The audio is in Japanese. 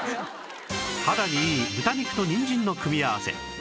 肌にいい豚肉とにんじんの組み合わせ